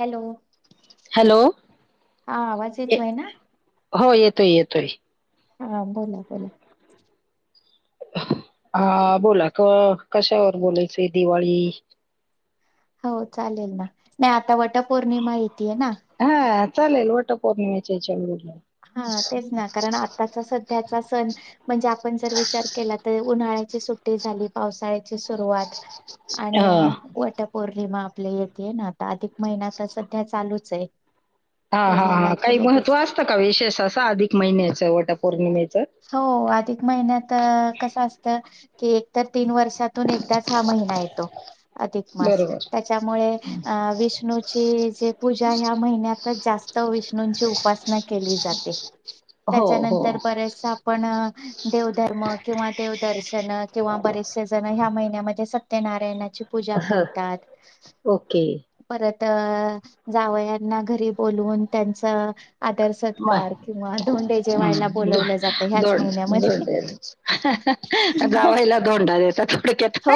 Hello. Hello, हा आवाज येतोय ना हो, येतोय येतोय. हा, बोला बोला. हा, बोला. क कशावर बोलायचंय दिवाळी? हो, चालेल ना. नाही आता वटपौर्णिमा येतीये ना? हा, चालेल. वटपौर्णिमेच्या [unintelligible] हा, तेच ना. कारण आ आता सध्याचा सण म्हणजे आपण जर, विचार केला तर, उन्हाळ्याची सु ट्टी झाली, पावसाळ्याची सुरुवात आणि हा वटपौर्णिमा आपल्या येते ना. आता अधिक महिना तर सध्या चालूच आहे. हा तो हा झाला हा, की काही लगेच महत्व असतं का? विशेष असं अधिक महिन्याचं, वटपौर्णिमेचं. हो, अधिक महिन्यात कसं असत की तर तीन वर्षातून एकदाच हा महिना येतो. अधिकमास. बरोबर त्याच्यामुळे अं विष्णू ची पूजा ह्या महिन्यातच जास्त विष्णूंची उपासना केली जाते. हो हो त्याच्यानंतर, बरेचदा आपण देवधर्म किंवा देवदर्शन किंवा बरेचसे जण ह्या महिन्यामध्ये सत्यनारायणाची पूजा ह करतात. ओके परत, जावयांना घरी बोलवून त्यांच आदर मा सत्कार किंवा धोंडे जेवायला बोलावलं जात धोंडे, धोंडे जावाईला धोंडा देतात थोडक्यात हो..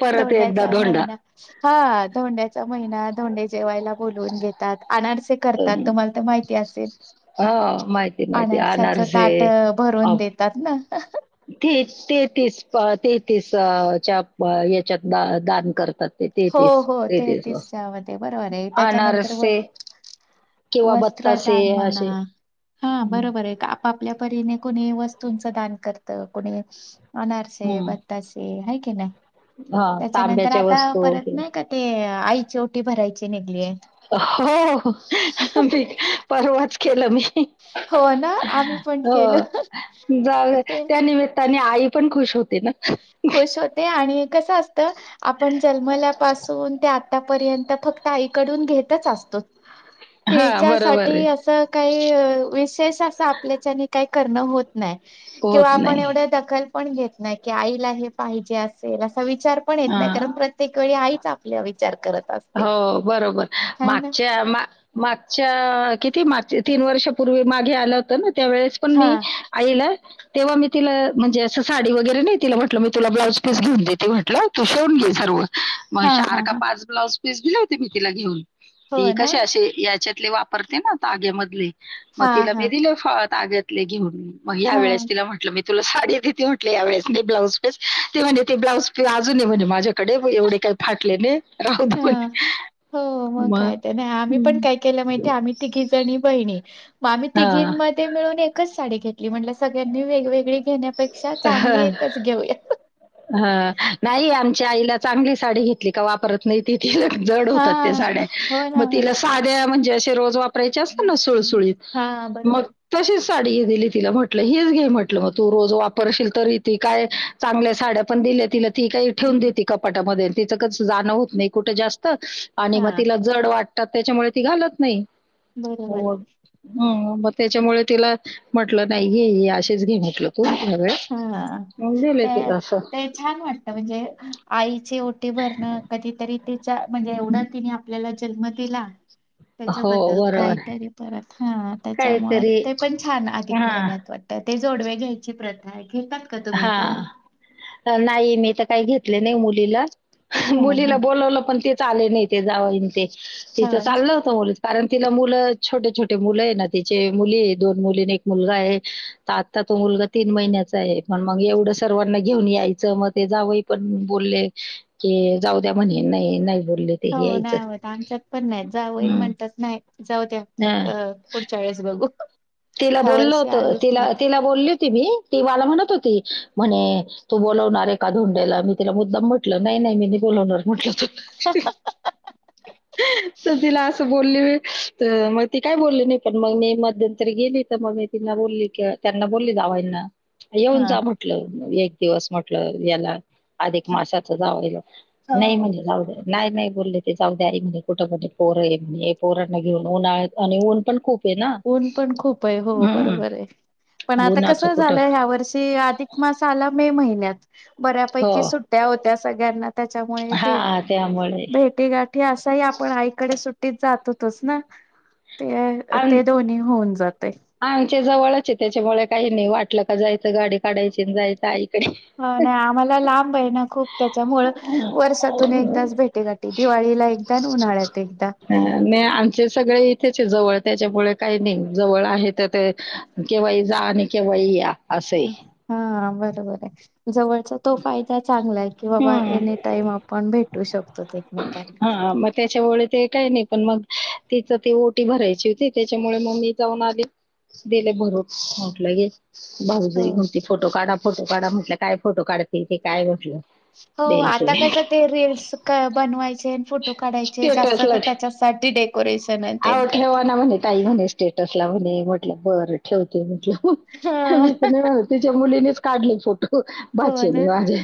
परत एकदा धोंड्याचा धोंडा महिना हा धोंड्या महिना धोंडे जेवायला बोलवून घेतात. अनारसे करतात. तुम्हाला तर माहिती असेल- हो माहिती माहिती अनारशाचं अनारसे ताट भरून देतात ना अह. तेच तेहतीस, तेहतीसच्या याच्यात दान करतात. हो तेहतीस हो तेहतीस वा तेहतीसच्या मध्ये बरोबर आहे. त्याच्यानंतर व अनारसे किंवा बत्तासे वस्त्रदान म्हणा असे हा हम्म बरोबर आहे का आपल्या परीने कुणी वस्तूंचं दान करत, कुणी अनारसे हम्म. बत्तासे आहे की नाही? हा त्याच्यानंतर तांब्याच्या आता वस्तू परत किंवा नाही का ते आईची ओटी भरायची निघलीय. हो... मी परवाच केलं मी. हो ना, आम्ही पण हो.. केलं. जाऊद्या ते त्या निमित्ताने आई पण खुश होते ना? खुश होते आणि कसं असतं आपण जन्मल्यापासून ते आतापर्यंत फक्त आईकडून घेतच असतो. हा बरोबर आहे तिच्यासाठी असं काही विशेष असं आपल्याच्यानी काही करणं होत नाही किंवा होत आपण नाही एवढ दखल पण घेत नाही की आईला हे पाहिजे असेल अस विचार पण येत नाही कारण हा प्रत्येक वेळी आईच आपला विचार करत असते. हो, बरोबर. हायना? मागच्या मा मागच्या किती मागच्या तीन वर्षापूर्वी मागे आलं होत ना त्या वेळेस पण हा, मी आईला. तेव्हा मी तिला म्हणजे असं साडी वगैरे नाही तिला म्हटलं मी तुला ब्लाउज पीस घेऊन देते म्हटलं. तो शिवून घे सर्व मग हा, हा, चार का हा. पाच ब्लाउज पीस दिले होते मी तिला घेऊन. हो ती ना. कसे असे याच्यातले वापरते ना ताग्यामधले मग हा, तिला हा, मी दिले हां ताग्यातले घेऊन मग ह्या हा. वेळेस तिला म्हटलं मी तुला साडी देती म्हटली यावेेळेस मी ब्लाउज पीस ते म्हणे ते ब्लाउज पीस अजून आहे म्हणे माझ्या कडे एवढे काही फाटले नाहीत राहूदे हा. म्हणे हो मग काय नाही. आम्ही पण हं. काय केलं माहिती आम्ही तिघी जणी बहिणी मग आम्ही तिघी हां. मिळून एकच साडी घेतली. म्हणल सगळ्यांनी वेगवेगळी घेण्यापेक्षा चांगली एकच घेऊया. ह नाही आमच्या आईला चांगली साडी घेतली का वापरत नाही त तिला जड होतात त्या हां, साड्या हो ना. मग तिला साध्या म्हणजे असे रोज वाप वापरायचे असता ना सुळसुळीत हां, बरोबर. मग तशीच साडी दिली तिला म्हटलं हीच घे म्हटलं मग तू रोज वापरशील तरी ती काय चांगल्या साड्या पण दिल्या तिला ती काही ठेवून देत कपाटामध्ये तिचं क जाणं होत नाही कुठं जास्त. आणि मग हां, तिला जड वाटतात त्याच्यामुळे ती घालत नाही बरोबर. हो. ह मग त्याच्यामुळे तिला म्हटलं नाही घे अशी च घे म्हटलं तू हा मग दिले ते तिला असं ते छान वाटत म्हणजे आईची ओटी भरणं. कधीतरी तिचा म्हणजे एवढा तिने आपल्याला जन्म दिला. हो त्याच्याबद्दल बरोबर काहीतरी परत हा त्याच्यामुळे काहीतरी ते पण छान अधिक हा महिन्यात वाटतं. ते जोडव्या घ्यायची प्रथा आहे घेतात का तुम्ही हा का नाही? नाही मी तर काही घेतले नाही मुलीला. हा हा मुलीला बोलावलं पण ति चाले नेते जावानचे. हो तिथं ना चाल मुल कारण तिला मुलं, छोटे- छोटे मुलंय ना, तिचे. मुलीय. दोन मुली न एक मुलगाय. ता ता तो मुलगा तीन महिन्याचाय. पण मग एवढं, सर्वांना घेऊन यायचं. मग ते जावई पण बोलले. की, जाऊ द्या म्हणे. नाही - नाही बोलले ते हे हो यायचं नाही होत. आमच्यात पण नाही. जावयी हम्म. म्हणतात, नाही. जाऊ द्या. हा अ पुढच्या वेळेस बघू. तिला ह्या बोलल वर्षी होतं. आलेच तिला, नाहीत तिला बोलली होती मी. ती वाला म्हणत होती. म्हणे तू बोलवणारय का? धोंडेला. मी तिला मुद्दाम म्हटलं. नाही, नाही मी नाही बोलवणार म्हटलं. तु [unintelligible] तर तिला असं बोलली. तर मग ती काय बोलली नाही. पण मग मी मध्य तरी गेली. तर मग मी तिना बोलली की, त्यांना बोलली जावायींना. येऊन हा जा म्हट टलं. एक दिवस म्हटलं. याला. अधिक माशाच जावायला. नाही हो म्हने, जाऊ द्या. नाही, नाही बोलले ते. जाऊद्या आई म्हणे, कुठं म्हणे, पोरय, मी. म्हणे. पोरांना घेऊन ऊन आणि ऊन पण खूपय ना. ऊन पण खूपय. हो, हम्म. बरोबरय. पण आता उन्हाचं कसं कुठं झालंय, ह्यावर्षी अधिक मास आला मे महिन्यात. बऱ्यापैकी हो सुट्ट्या होत्या सगळ्यांना. त्याच्यामुळे, फि हा त्यामुळे भेट गाठी. अशा ही आपण, आईकडे सुट्टीत जात होतोच ना. ते आम ते दोन्ही होऊन जातय. आमच्या जवळचय. त्याच्यामुळे काही नाही. वाटलं का जायचं, गाडी काढायची न जायचं. आई ह नाही, आम्हाला लांबय ना खूप. त्याच्यामुळं वर्षातून एकदाच भेटेगाठी. दिवाळीला एकदा न उन्हाळ्यात एकदा. ह नाही, आम सगळे इथेच जवळ. त्याच्यामुळे काही नाही. जवळ आहे तर ते. केव्हाही जा आणि केव्हाही या. असंय. हा, बरोबरय. जवळच्या तो फायदा चांगलाय. की बाबा, हम्म. एनी टाईम आपण भेटू शकतोत, एकमेकाना. हा मग त्याच्यामुळे ते काही नाही. पण मग तिच ती ओटी भरायची होती. त्याच्यामुळे मग मी जाऊन आली. दिले भरून. म्हटलं लगेच हो भाऊजई म्हणती, फोटो काढा. फोटो काढा. म्हटलं, काय फोटो काढते. ते काय म्हटलं. हो आता द्यायचं. कस, ते रीलस का बनवायचे न फोटो काढायचे. जास्त तर त्याच्याच पार्टी दे. परेशानयत. आओ, ठेवा ना म्हणे. ताई म्हणे. स्टेटसला म्हणे. म्हटलं बरय. ठेवते म्हटलं. हा. मी तर नाही बाबा. तिच्या मुलीनीच काढले फोटो. हो भाचे नि ना माझ्या.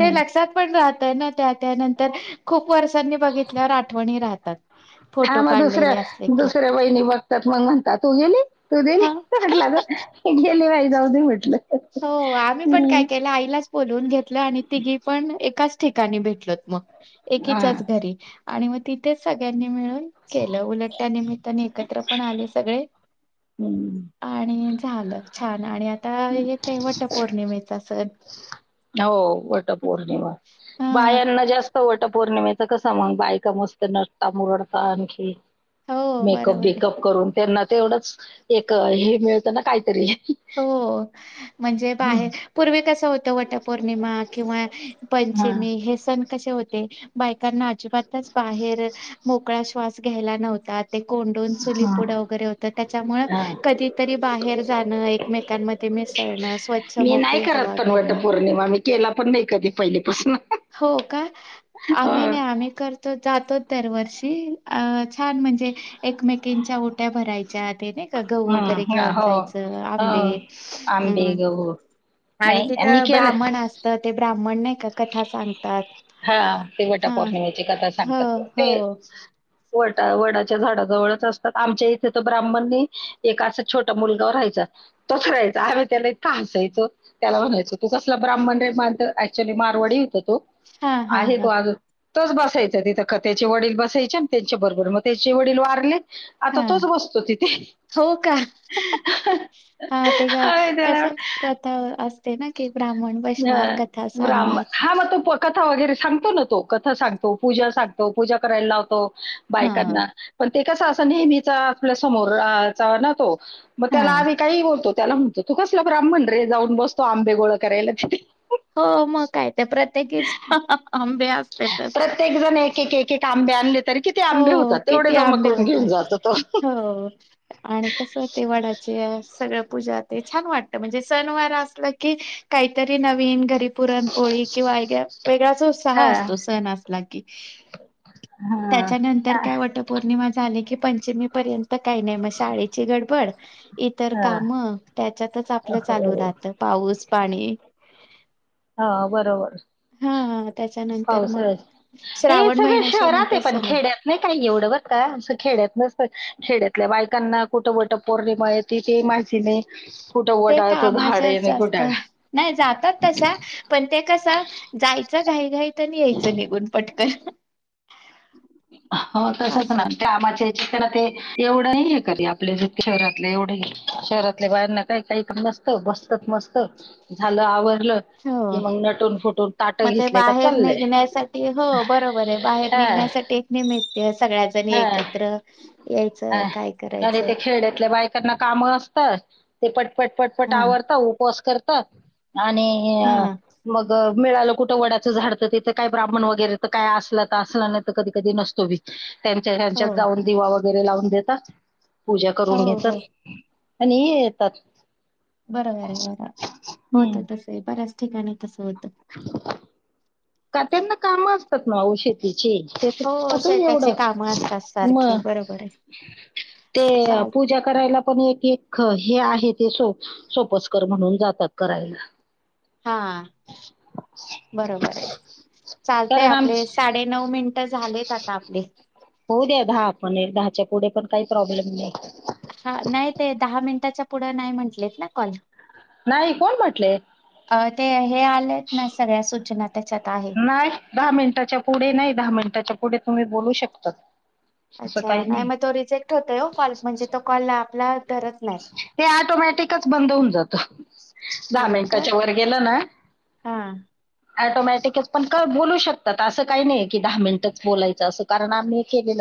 ते लक्षात पण राहतय ना, त्या- त्यानंतर. खूप वर्षांनी बघितल्यावर आठवनी राहतात. हा फोटो मग दुसऱ्या, काढलेले असले की दुसऱ्या बहिणी मग त मग म्हणता, तू गेली? तू दिली? हा म्हटल अगं, गेली बाई. जाऊ दे म्हटलं. हो आम्ही पण काय हम्म. केलं? आईलाच बोलवून घेतलं. आणि तिघी पण एकाच ठिकाणी भेटलोत मग. हा एकीच्याच घरी. आणि मग तिथेच सगळ्यांनी मिळून केलं. उलट त्या निमित्ताने एकत्र पण आले सगळे. हम्म. आणि झालं, छान. आणि आता येतय वटपौर्णिमेचा सण. हो वटपौर्णिमा हा बायांना जास्त वटपौर्णिमेच कस मग बायका मस्त नटता मुरडता आणखी हो मेकअप बरोबर आहे बीकअप करून त्यांना ते एवढंच एक हे मिळतं ना काहीतरी. हो म्हणजे हा बाहेर पूर्वी कस होत त वटपौर्णिमा किंवा पंचमी हे सण कसे होते, बायकांना अजिबातच बाहेर मोकळा श्वास घ्यायला नव्हतात. ते कोंडून हा चुलीपुडं वगैरे होत त्याच्यामुळ हा कधीतरी बाहेर जाणं मेकांमध्ये मिसळणं स्वच्छ मी नाही मोकळी करत हवा घेणं. [unintelligible] केला पण नाय कधी पयलीपासन. हो का आम्ही नाय आम्ही करत तर जातो दरवर्षी अ छान म्हणजे एकमेकींच्या ओट्या भरायच्या तेन क गहू कडे हं, घेऊन हो जायचं आंबे हो अ आंबे गहू आणि नाही मी तिथं केलं ब्राह्मण असतं ते ब्राह्मण नाय का कथा सांगतात हा ते हा वटपौर्णिमेची कथा हो सांगतात. हो ते वटा वडाच्या झाडाजवळच असतात आमच्या इथे तर ब्राह्मणनी एक असा छोटा मुलगा व राहायचा. तोच राहायचा आम्ही त्याला इतकं हसायचो, त्याला म्हणायचो तू कसला ब्राह्मण रे मानत ऍक्च्युली मा वडी होता तो, हा हा आहे तो हा अजून. तोच बसायचं तिथं कथेचे वडील बसायचे अन त्यांच्या बरोबर मग त्यांचे वडील वारले आता हा तोच बसतो तिथे. हो का हा ते ग आम्ही कस त्याला क तर असतेना की ब्राह्मण. बसणार [unintelligible] कथा ब्राह्मण सांगणार हा मग तो प कथा वगैरे सांगतो ना तो, कथा सांगतो, पूजा सांगतो पूजा करायला लावतो. हा बायकांना पण ते कस असं नेहमीचा आपल्या समोर आ चा ना तो मग त्याला हा आम्ही काही बोलतो, त्याला म्हणतो तू कसलं ब्राह्मण रे जाऊन बसतो आंबे गोळ करायला तिथे. हो म काय ते प्रत्येकीच आंबे अस प्रत्येक जण एक एक एक आंबे आणलेत तरी किती हो आंबे होतात तेवढे किती जमा आंबे करून घेऊन होतात जातो तो हो आणि कसं ते वडाचे सगळ पूजा ते छान वाटत म्हणजे सणवारा असला कि काहीतरी नवीन घरी पुरणपोळी किंवा [unintelligible] वेगळाच उत्साह हां. असतो, सण असतो. लागी हां. त्याच्यानंतर हां. काय वट पौर्णिमा झाली की पंचमी पर्यंत काही नाय म शाळेची गडबड इतर हां. कामं त्याच्यातच आपलं चालू हो. राहत पाऊस पाणी हा बरोबर हा त्याच्यानंतर मग पावसाळ्याच हे श्रावण सगळ महिन्याच्या शहरात आहे, नंतर पण सण खेड्यात नई काय एवढं बर का असं खेड्यात नसतं, खेड्यातल्या बायकांना कुठं वटपौर्णिमा ये तिथे माचीने कुठं ते कामाच्याच जास्त कुठं नाय जातात तशा पण ते कस जायचं घाई घाईत अन यायचं निघून पटकन. हो तसच असं ना कामाच्या ह्याच्यात ते एवढं नाई हे करते आपल्या जितक्या शहरातले एवढंही शहरातल्या बायांना काय काय करत बस बसतात मस्त झालं आवरलं. हो की मग नटून फुटून मग ताटं ते घेतले का बाहेर चाललंय निघण्यासाठी हो बरोबर आहे बाहेर हा निघण्यासाठी एक निमित्य सगळ्याजणी हा एकत्र यायचं काय खाली करायचं ते खेड्यातल्या बायकांना कामं असत ते पटपट पटपट हा आवरत उपवास करत आणि हा मग मिळालं कुठं वडाचं झाड तर तिथे काय ब्राह्मण वगैरे तर काय असलं तर असलं नाही तर कधी कधी नसत तो बी ह्याच हो ह्यांचा जाऊन दिवा वगैरे लावून देता पूजा करून हो घेतात हो आणि येतात बरोबर आहे बरोबर आहे होत हम्म तसही बऱ्याच ठिकाणी तस होत [inaudible] का त्यांना काम असतात ना ओ शेत हिची हो कुठून शेताची कामं असतात एवढं म सारखी बरोबर आहे ते चालते पूजा करायला पण एक एक हे आहे ते स सोपस्कर म्हणून जातात करायला हा बरोबर आहे चालतय कारण आपले आमच साडे नऊ मिनट झालेत आता आपले होऊ द्या दहा पण दहाच्या पुढे पण काही प्रॉब्लेम नाही हा नाही ते दहा मिनिटाच्या पुढे नाही म्हंटलेत ना कॉल नाही कोण म्हटले अ ते हे आलेत ना सगळ्या सूचनात नाही दहा मिनिटाच्या पुढे नाही दहा मिनिटाच्या पुढे तुम्ही बोलू शकता अच्छा नाही मग तो रिजेक्ट होतोय हो कॉल म्हणजे तो कॉल आपला धरत नाही ते ओटोमॅटिकच बंद होऊन जात दहा हा का मिनिटाच्या वर गेलं ना हा ऑटोमॅटिक पण का बोलू शकतात असं काही नाही की दहा मिनिटच बोलायचं अस कारण आम्ही केलेलं